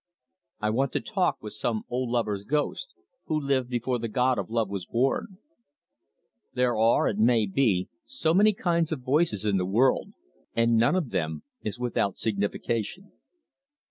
"I want to talk with some old lover's ghost, Who lived before the god of love was born." "There are, it may be, so many kinds of voices in the world, and none of them is without signification."